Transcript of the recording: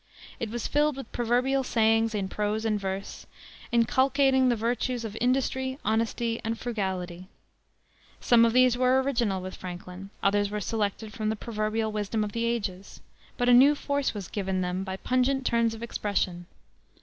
It was filled with proverbial sayings in prose and verse, inculcating the virtues of industry, honesty, and frugality. Some of these were original with Franklin, others were selected from the proverbial wisdom of the ages, but a new force was given them by pungent turns of expression.